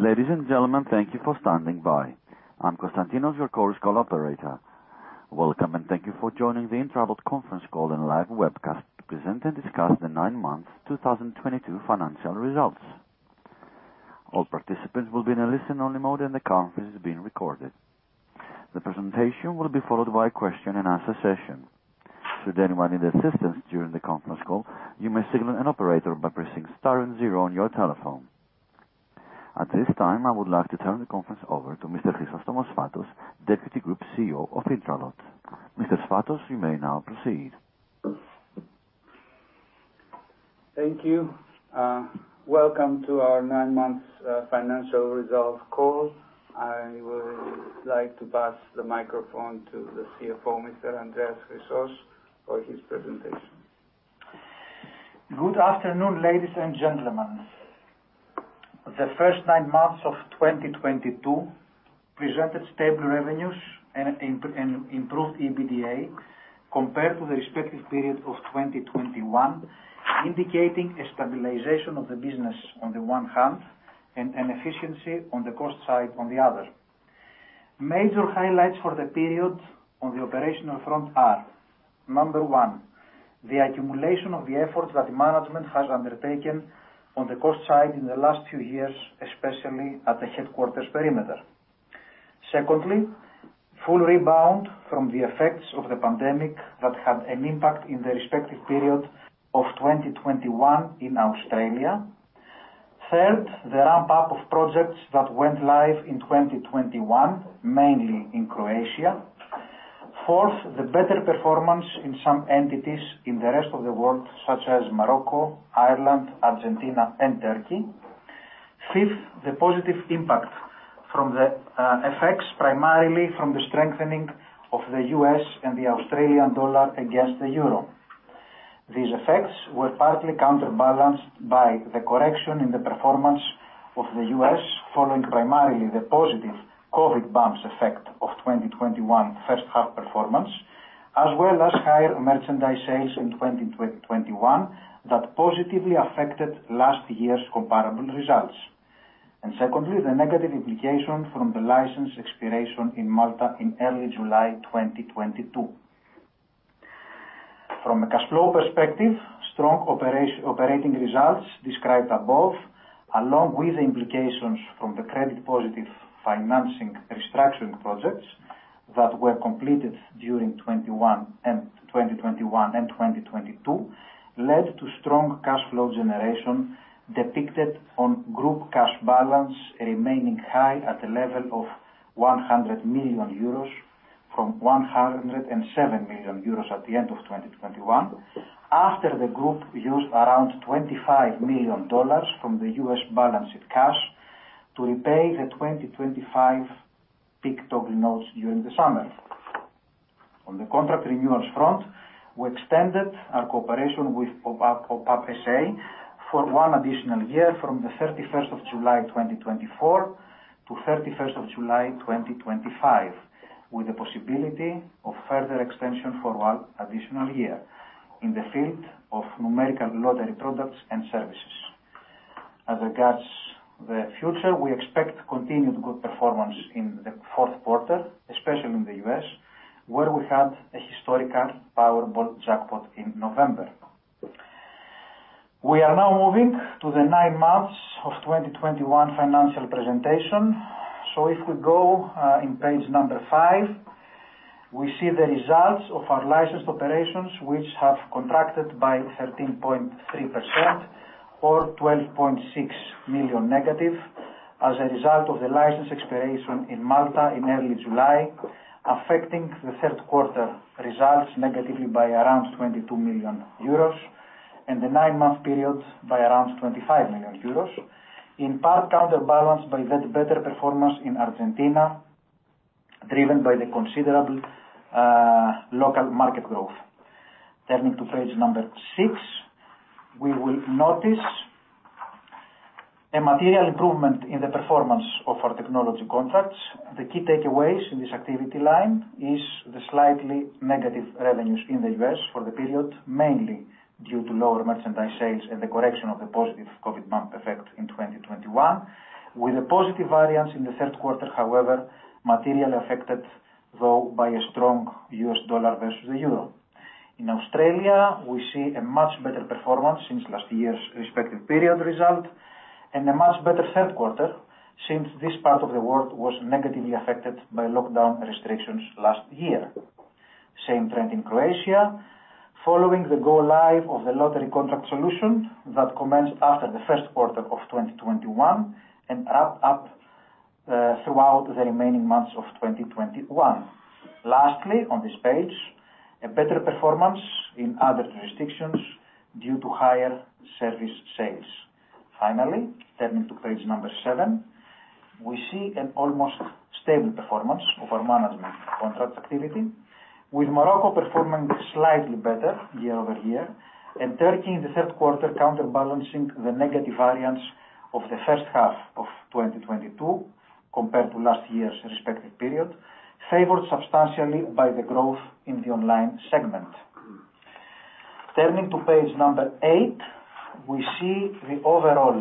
Ladies and gentlemen, thank you for standing by. I'm Constantinos, your Chorus Call operator. Welcome. Thank you for joining the Intralot conference call and live webcast to present and discuss the nine months 2022 financial results. All participants will be in a listen-only mode, and the conference is being recorded. The presentation will be followed by question and answer session. Should anyone need assistance during the conference call, you may signal an operator by pressing star and zero on your telephone. At this time, I would like to turn the conference over to Mr. Chrysostomos Sfatos, Deputy Group COO of Intralot. Mr. Sfatos, you may now proceed. Thank you. Welcome to our nine months financial results call. I would like to pass the microphone to the CFO, Mr. Andreas Chrysos, for his presentation. Good afternoon, ladies and gentlemen. The first nine months of 2022 presented stable revenues and improved EBITDA compared to the respective period of 2021, indicating a stabilization of the business on the one hand and an efficiency on the cost side on the other. Major highlights for the period on the operational front are, number one, the accumulation of the efforts that management has undertaken on the cost side in the last few years, especially at the headquarters perimeter. Secondly, full rebound from the effects of the pandemic that had an impact in the respective period of 2021 in Australia. Third, the ramp-up of projects that went live in 2021, mainly in Croatia. Fourth, the better performance in some entities in the rest of the world, such as Morocco, Ireland, Argentina and Turkey. Fifth, the positive impact from the effects primarily from the strengthening of the U.S. and the Australian dollar against the euro. These effects were partly counterbalanced by the correction in the performance of the U.S., following primarily the positive COVID bumps effect of 2021 first half performance, as well as higher merchandise sales in 2021 that positively affected last year's comparable results. Secondly, the negative implication from the license expiration in Malta in early July 2022. From a cash flow perspective, strong operating results described above, along with the implications from the credit positive financing restructuring projects that were completed during 2021 and 2022, led to strong cash flow generation depicted on group cash balance remaining high at a level of 100 million euros from 107 million euros at the end of 2021. After the group used around $25 million from the U.S. balanced cash to repay the 2025 PIK Toggle Notes during the summer. On the contract renewals front, we extended our cooperation with OPAP S.A. for one additional year from the 31st of July 2024-31st of July 2025, with the possibility of further extension for one additional year in the field of numerical lottery products and services. As regards the future, we expect continued good performance in the fourth quarter, especially in the U.S., where we had a historical Powerball jackpot in November. We are now moving to the nine months of 2021 financial presentation. If we go in page number five, we see the results of our licensed operations, which have contracted by 13.3% or 12.6 million negative as a result of the license expiration in Malta in early July, affecting the third quarter results negatively by around 22 million euros and the nine-month periods by around 25 million euros, in part counterbalanced by the better performance in Argentina, driven by the considerable local market growth. Turning to page number six, we will notice a material improvement in the performance of our technology contracts. The key takeaways in this activity line is the slightly negative revenues in the U.S. for the period, mainly due to lower merchandise sales and the correction of the positive COVID bump effect in 2021, with a positive variance in the third quarter, however, materially affected though by a strong U.S. dollar versus the euro. In Australia, we see a much better performance since last year's respective period result and a much better third quarter since this part of the world was negatively affected by lockdown restrictions last year. Same trend in Croatia, following the go live of the lottery contract solution that commenced after the first quarter of 2021 and wrapped up throughout the remaining months of 2021. Lastly, on this page, a better performance in other jurisdictions due to higher service sales. Finally, turning to page seven, we see an almost stable performance of our management contract activity, with Morocco performing slightly better year-over-year and Turkey in the third quarter counterbalancing the negative variance of the first half of 2022 compared to last year's respective period, favored substantially by the growth in the online segment. Turning to page eight, we see the overall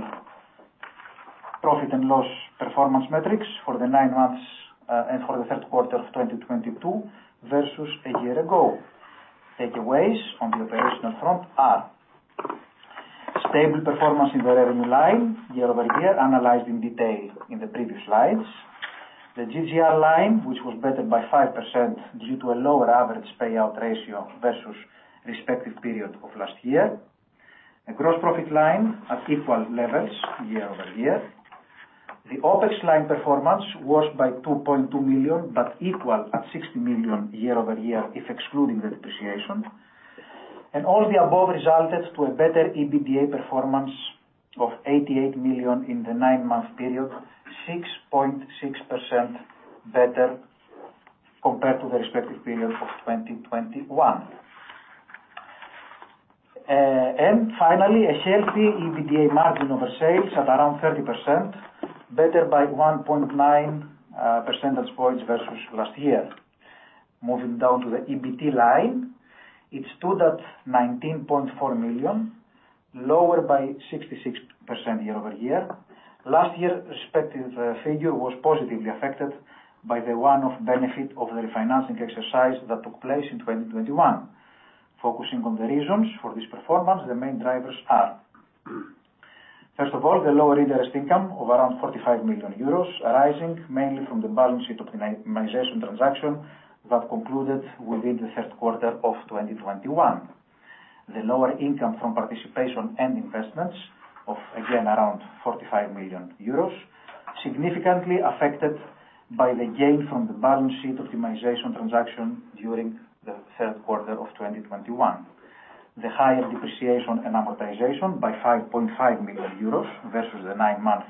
profit and loss performance metrics for the nine months and for the third quarter of 2022 versus a year ago. Takeaways on the operational front are stable performance in the revenue line year-over-year, analyzed in detail in the previous slides. The GGR line, which was better by 5% due to a lower average payout ratio versus respective period of last year. A gross profit line at equal levels year-over-year. The OpEx line performance was by 2.2 million, but equal at 60 million year-over-year if excluding the depreciation. All the above resulted to a better EBITDA performance of 88 million in the nine-month period, 6.6% better compared to the respective period of 2021. Finally, a healthy EBITDA margin of sales at around 30%, better by 1.9 percentage points versus last year. Moving down to the EBT line, it stood at 19.4 million, lower by 66% year-over-year. Last year respective figure was positively affected by the one-off benefit of the refinancing exercise that took place in 2021. Focusing on the reasons for this performance, the main drivers are, first of all, the lower interest income of around 45 million euros, arising mainly from the balance sheet optimization transaction that concluded within the third quarter of 2021. The lower income from participation and investments of, again, around 45 million euros, significantly affected by the gain from the balance sheet optimization transaction during the third quarter of 2021. The higher depreciation and amortization by 5.5 million euros versus the nine months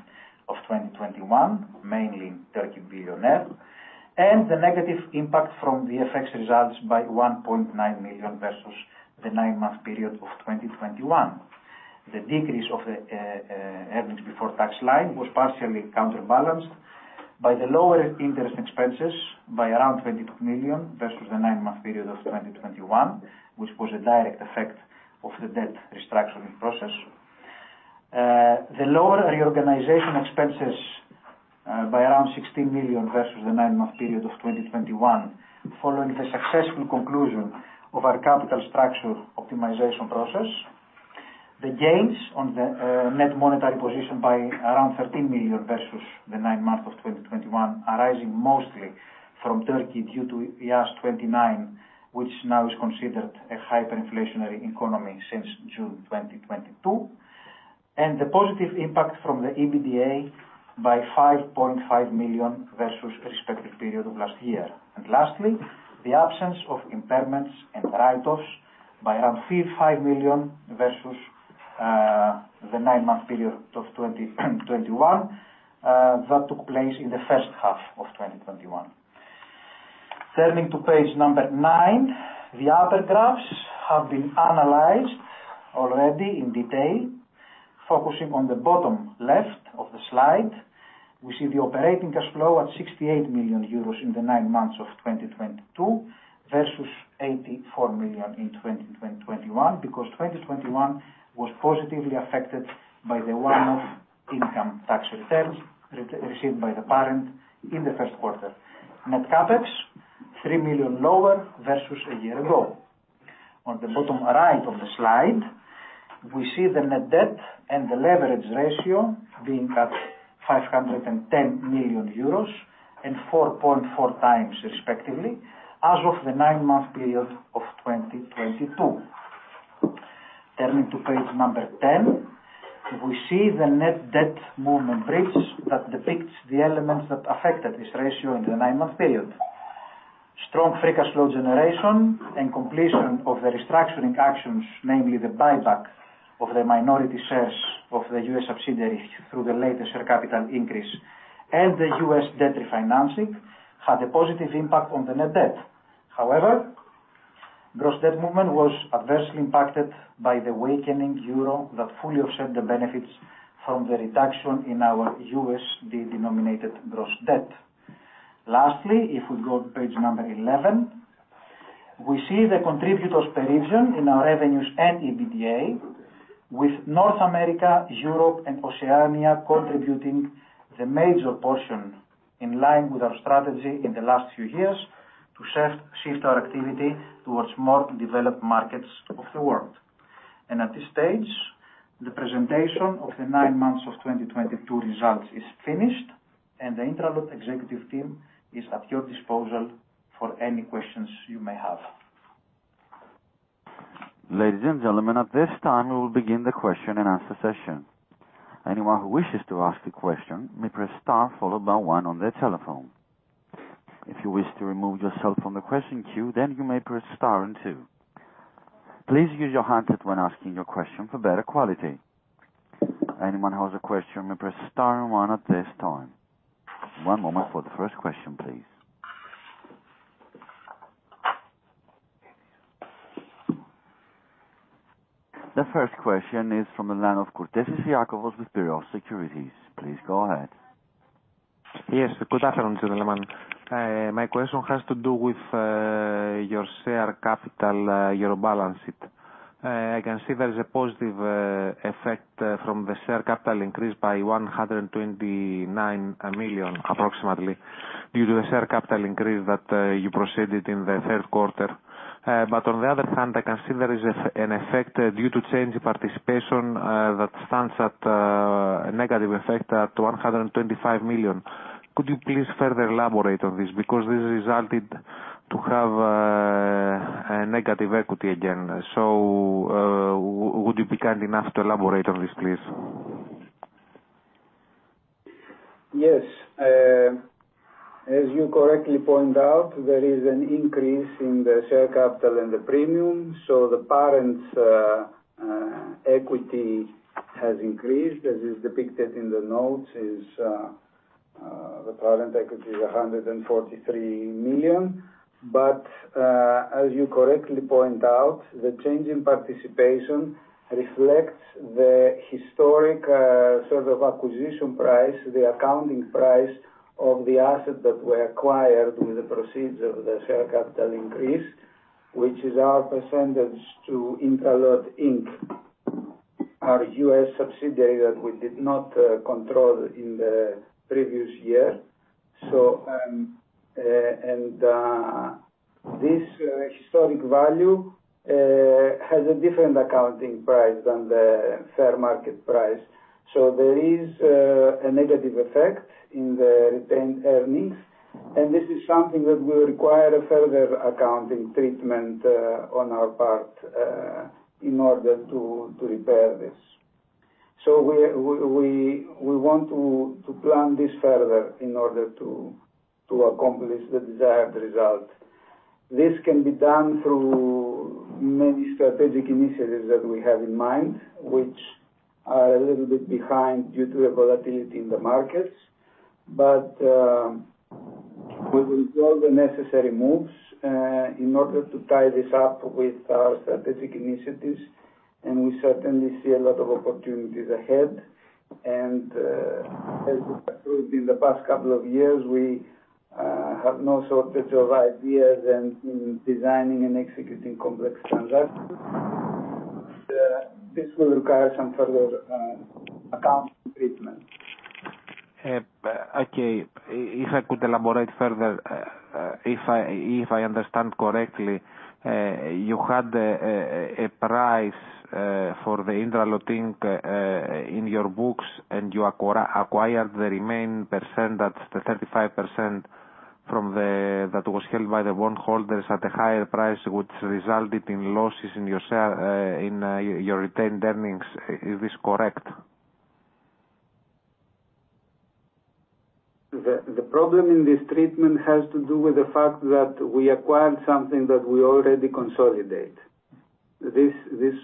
of 2021, mainly in Turkey Bilyoner. The negative impact from the FX results by 1.9 million versus the nine-month period of 2021. The decrease of the EBT line was partially counterbalanced by the lower interest expenses by around 20 million versus the nine month period of 2021, which was a direct effect of the debt restructuring process. The lower reorganization expenses by around 16 million versus the nine month period of 2021, following the successful conclusion of our capital structure optimization process. The gains on the net monetary position by around 13 million versus the nine months of 2021, arising mostly from Turkey due to IAS 29, which now is considered a hyperinflationary economy since June 2022. The positive impact from the EBITDA by 5.5 million versus respective period of last year. Lastly, the absence of impairments and write-offs by around 5 million versus the nine month period of 2021 that took place in the first half of 2021. Turning to page nine, the other graphs have been analyzed already in detail. Focusing on the bottom left of the slide, we see the operating cash flow at 68 million euros in the nine months of 2022 versus 84 million in 2021, because 2021 was positively affected by the one-off income tax returns re-received by the parent in the first quarter. Net CapEx, 3 million lower versus a year ago. On the bottom right of the slide, we see the net debt and the leverage ratio being at 510 million euros and 4.4 times respectively as of the nine month period of 2022. Turning to page number 10, we see the net debt movement bridge that depicts the elements that affected this ratio in the nine month period. Strong free cash flow generation and completion of the restructuring actions, namely the buyback of the minority shares of the U.S. subsidiary through the latest share capital increase, and the U.S. debt refinancing had a positive impact on the net debt. Gross debt movement was adversely impacted by the weakening euro that fully offset the benefits from the reduction in our USD-denominated gross debt. Lastly, if we go to page number 11, we see the contributors per region in our revenues and EBITDA, with North America, Europe and Oceania contributing the major portion in line with our strategy in the last few years to shift our activity towards more developed markets of the world. At this stage, the presentation of the nine months of 2022 results is finished and the Intralot executive team is at your disposal for any questions you may have. Ladies and gentlemen, at this time we will begin the question and answer session. Anyone who wishes to ask a question may press star followed by one on their telephone. If you wish to remove yourself from the question queue, then you may press star and two. Please use your handset when asking your question for better quality. Anyone who has a question may press star and one at this time. One moment for the first question, please. The first question is from the line of Kostas Boukas with Beta Securities. Please go ahead. Good afternoon, gentlemen. My question has to do with your share capital, your balance sheet. I can see there is a positive effect from the share capital increase by 129 million approximately due to a share capital increase that you proceeded in the third quarter. On the other hand, I can see there is an effect due to change participation that stands at a negative effect at 125 million. Could you please further elaborate on this? Because this resulted to have a negative equity again. Would you be kind enough to elaborate on this, please? Yes. As you correctly point out, there is an increase in the share capital and the premium, the parent equity has increased. As is depicted in the notes, the parent equity is 143 million. As you correctly point out, the change in participation reflects the historic sort of acquisition price, the accounting price of the assets that were acquired with the proceeds of the share capital increase, which is our percentage to Intralot, Inc., our US subsidiary that we did not control in the previous year. This historic value has a different accounting price than the fair market price. There is a negative effect in the retained earnings, and this is something that will require a further accounting treatment on our part in order to repair this. We want to plan this further in order to accomplish the desired result. This can be done through many strategic initiatives that we have in mind, which are a little bit behind due to the volatility in the markets. We will do all the necessary moves in order to tie this up with our strategic initiatives, and we certainly see a lot of opportunities ahead. As we have proved in the past couple of years, we have no shortage of ideas and in designing and executing complex transactions. This will require some further accounting treatment. Okay. If I could elaborate further, if I, if I understand correctly, you had a price for the Intralot, Inc. in your books, and you acquired the remaining percent, that's the 35% that was held by the bondholders at a higher price, which resulted in losses in your share in your retained earnings. Is this correct? The problem in this treatment has to do with the fact that we acquired something that we already consolidate. This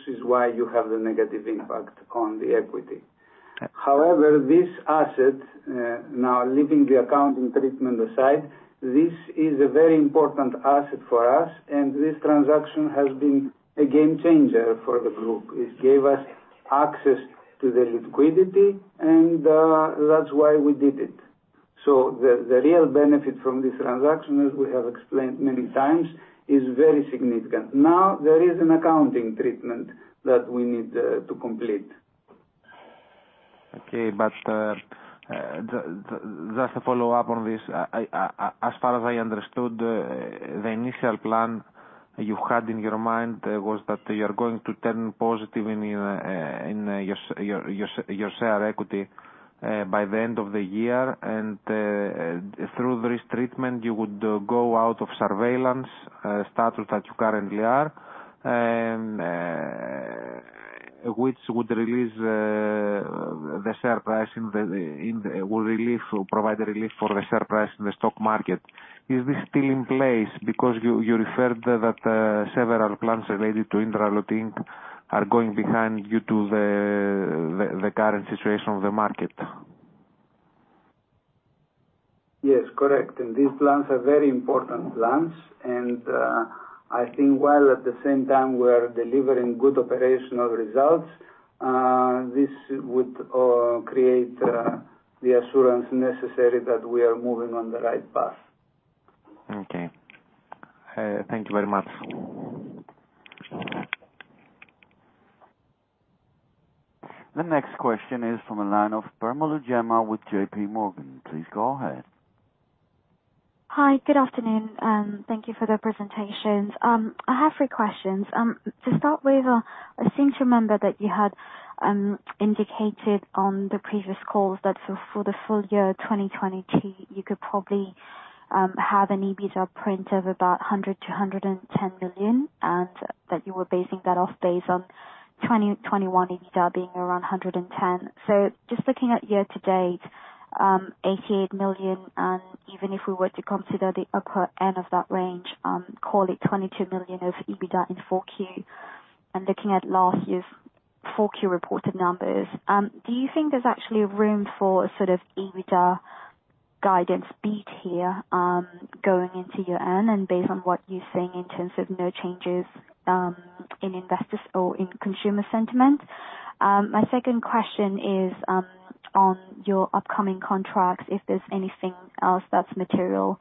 is why you have the negative impact on the equity. Okay. This asset, now leaving the accounting treatment aside, this is a very important asset for us, and this transaction has been a game changer for the group. It gave us access to the liquidity and, that's why we did it. The, the real benefit from this transaction, as we have explained many times, is very significant. There is an accounting treatment that we need to complete. Okay. Just to follow up on this, as far as I understood, the initial plan you had in your mind, was that you're going to turn positive in your share equity by the end of the year. Through this treatment you would go out of surveillance status that you currently are, and which would relieve or provide a relief for the share price in the stock market. Is this still in place? You referred that several plans related to Intralot, Inc. are going behind you to the current situation of the market. Yes, correct. These plans are very important plans. I think while at the same time we are delivering good operational results, this would create the assurance necessary that we are moving on the right path. Thank you very much. The next question is from the line of Aparna Ramaswamy with JPMorgan. Please go ahead. Hi, good afternoon. Thank you for the presentation. I have three questions. To start with, I seem to remember that you had indicated on the previous calls that for the full year 2022, you could probably have an EBITDA print of about 100 million-110 million, and that you were basing that off base on 2021 EBITDA being around 110 million. Just looking at year-to-date, 88 million, and even if we were to consider the upper end of that range, call it 22 million of EBITDA in 4Q, and looking at last year's 4Q reported numbers, do you think there's actually room for a sort of EBITDA guidance beat here, going into your end and based on what you're saying in terms of no changes, in investors or in consumer sentiment? My second question is on your upcoming contracts, if there's anything else that's material.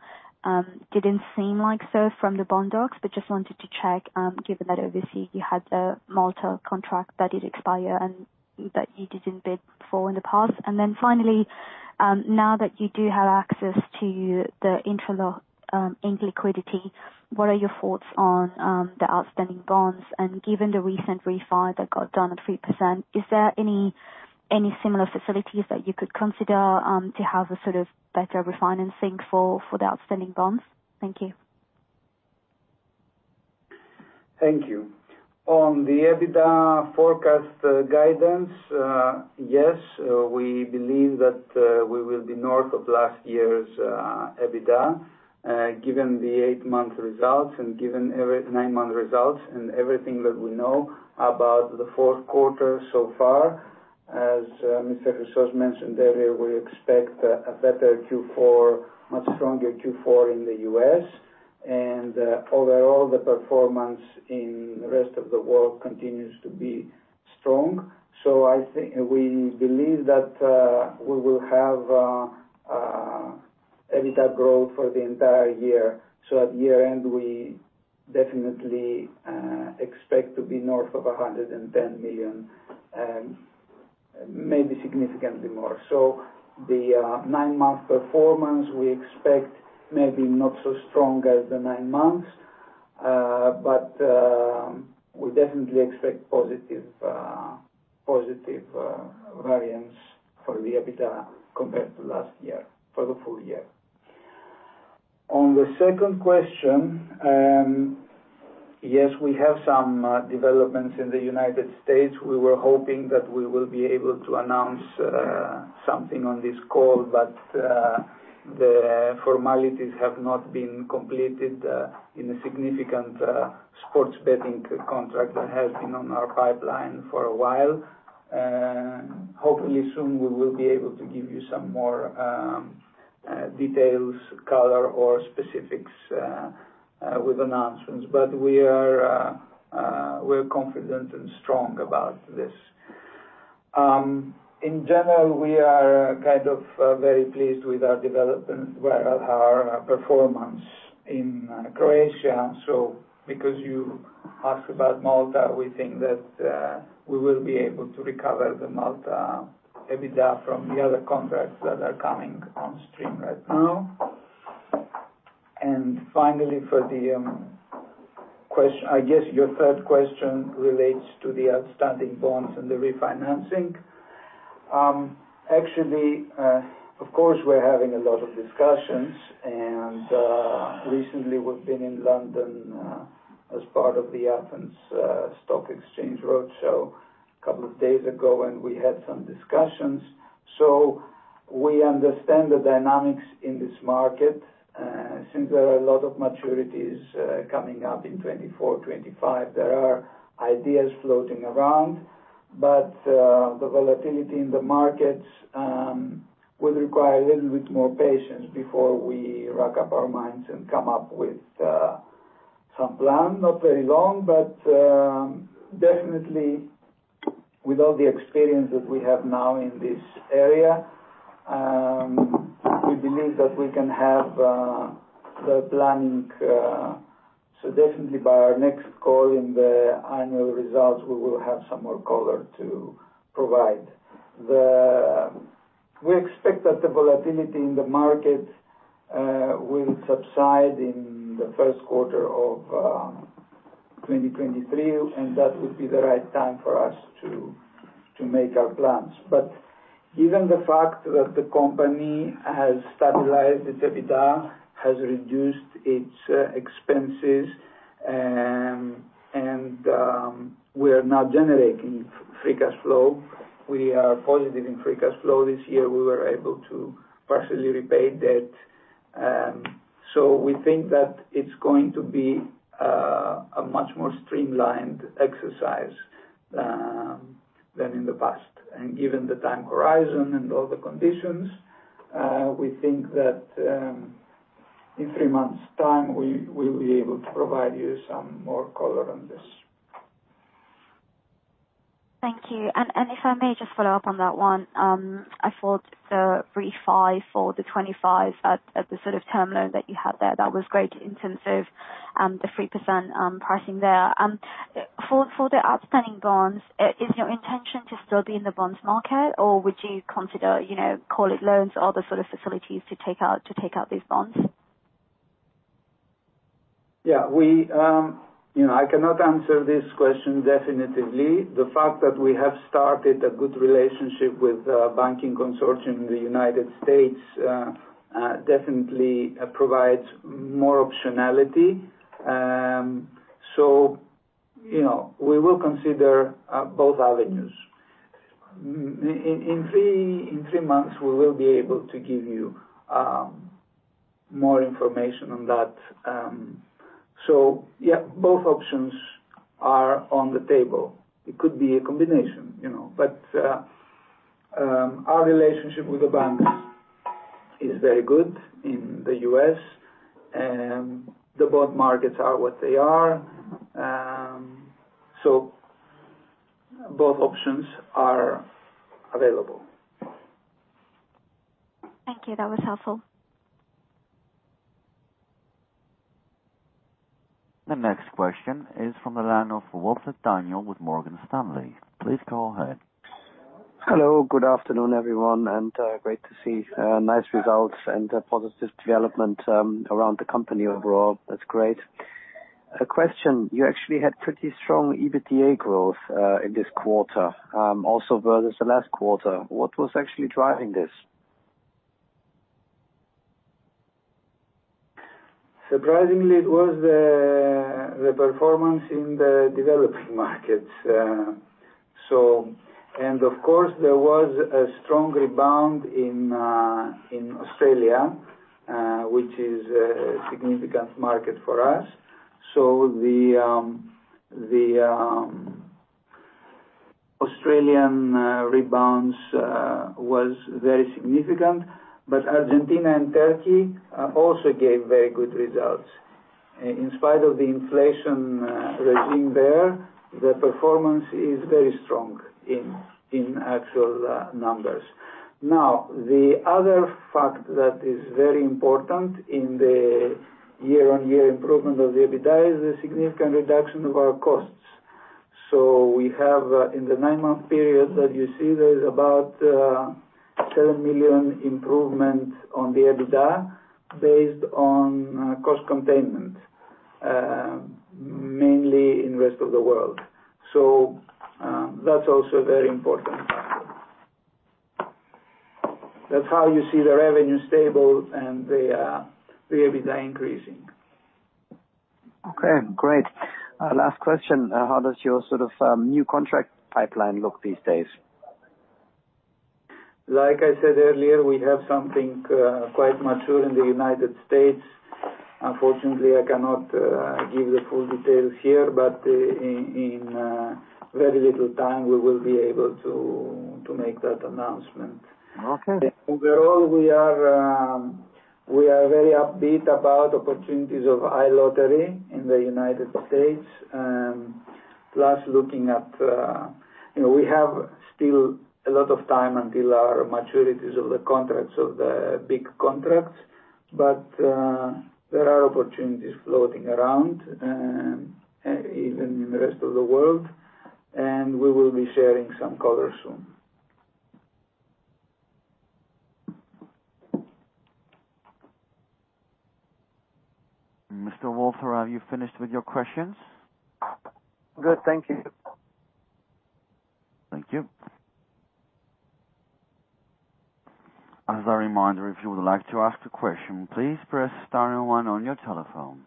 Didn't seem like so from the bond docs, but just wanted to check, given that obviously you had the Malta contract that did expire and that you didn't bid for in the past. Finally, now that you do have access to the Intralot, in liquidity, what are your thoughts on, the outstanding bonds? Given the recent refi that got done at 3%, is there any similar facilities that you could consider, to have a sort of better refinancing for the outstanding bonds? Thank you. Thank you. On the EBITDA forecast, guidance, yes, we believe that we will be north of last year's EBITDA, given the eight-month results and given every nine-month results and everything that we know about the fourth quarter so far. As Mr. Chrysostomos mentioned earlier, we expect a better Q4, much stronger Q4 in the U.S. Overall, the performance in the rest of the world continues to be strong. We believe that we will have EBITDA growth for the entire year. At year-end, we definitely expect to be north of 110 million, maybe significantly more. The nine-month performance we expect maybe not so strong as the nine months. We definitely expect positive variance for the EBITDA compared to last year for the full year. On the second question, yes, we have some developments in the United States. We were hoping that we will be able to announce something on this call, but the formalities have not been completed in a significant sports betting contract that has been on our pipeline for a while. Hopefully soon we will be able to give you some more details, color or specifics with announcements. We're confident and strong about this. In general, we are kind of very pleased with our developments, well, our performance in Croatia. Because you asked about Malta, we think that we will be able to recover the Malta EBITDA from the other contracts that are coming on stream right now. Finally, for the, I guess your third question relates to the outstanding bonds and the refinancing. Actually, of course, we're having a lot of discussions. Recently we've been in London, as part of the Athens Stock Exchange roadshow a couple of days ago, and we had some discussions. We understand the dynamics in this market. Since there are a lot of maturities coming up in 2024, 2025, there are ideas floating around. The volatility in the markets will require a little bit more patience before we rack up our minds and come up with some plan. Not very long, but definitely with all the experience that we have now in this area, we believe that we can have the planning. Definitely by our next call in the annual results, we will have some more color to provide. We expect that the volatility in the market will subside in the first quarter of 2023, and that would be the right time for us to make our plans. Given the fact that the company has stabilized its EBITDA, has reduced its expenses, and we are now generating free cash flow. We are positive in free cash flow this year. We were able to partially repay debt. We think that it's going to be a much more streamlined exercise than in the past. Given the time horizon and all the conditions, we think that in three months' time we will be able to provide you some more color on this. Thank you. If I may just follow up on that one. I thought the refi for the 25 at the sort of term loan that you had there, that was great in terms of the 3% pricing there. For the outstanding bonds, is your intention to still be in the bonds market, or would you consider, you know, call it loans or other sort of facilities to take out these bonds? Yeah. We, you know, I cannot answer this question definitively. The fact that we have started a good relationship with a banking consortium in the United States, definitely provides more optionality. You know, we will consider both avenues. In 3 months, we will be able to give you more information on that. Yeah, both options are on the table. It could be a combination, you know. Our relationship with the banks is very good in the US, and the both markets are what they are. Both options are available. Thank you. That was helpful. The next question is from the line of Iakovos Kourtesas with Morgan Stanley. Please go ahead. Hello. Good afternoon, everyone. Great to see nice results and a positive development around the company overall. That's great. A question. You actually had pretty strong EBITDA growth in this quarter, also versus the last quarter. What was actually driving this? Surprisingly, it was the performance in the developing markets. Of course, there was a strong rebound in Australia, which is a significant market for us. The Australian rebounds was very significant. Argentina and Turkey also gave very good results. In spite of the inflation regime there, the performance is very strong in actual numbers. The other fact that is very important in the year-on-year improvement of the EBITDA is the significant reduction of our costs. We have in the nine month period that you see there is about 7 million improvement on the EBITDA based on cost containment, mainly in rest of the world. That's also a very important factor. That's how you see the revenue stable and the EBITDA increasing. Okay, great. Last question, how does your sort of new contract pipeline look these days? I said earlier, we have something quite mature in the United States. Unfortunately, I cannot give the full details here, but in very little time we will be able to make that announcement. Okay. Overall, we are very upbeat about opportunities of iLottery in the United States, plus looking at. You know, we have still a lot of time until our maturities of the contracts, of the big contracts. There are opportunities floating around, even in the rest of the world, and we will be sharing some color soon. Mr. Iakovos Kourtesas, are you finished with your questions? Good. Thank you. Thank you. As a reminder, if you would like to ask a question, please press star one on your telephone.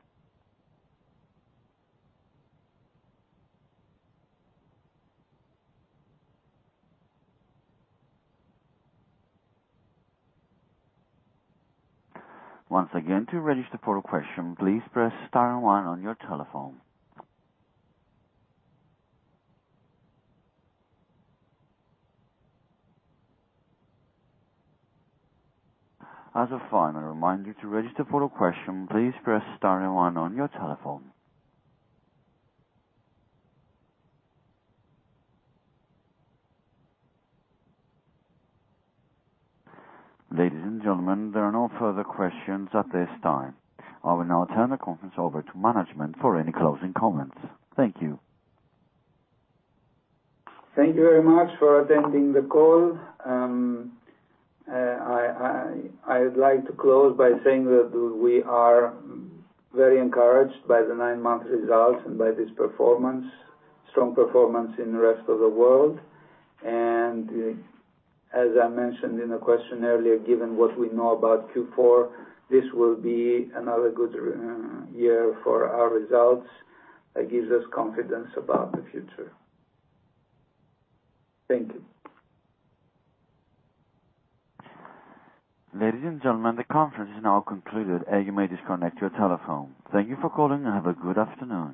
Once again, to register for a question, please press star one on your telephone. As a final reminder, to register for a question, please press star one on your telephone. Ladies and gentlemen, there are no further questions at this time. I will now turn the conference over to management for any closing comments. Thank you. Thank you very much for attending the call. I'd like to close by saying that we are very encouraged by the nine month results and by this performance, strong performance in the rest of the world. As I mentioned in a question earlier, given what we know about Q4, this will be another good year for our results. It gives us confidence about the future. Thank you. Ladies and gentlemen, the conference is now concluded, and you may disconnect your telephone. Thank you for calling, and have a good afternoon.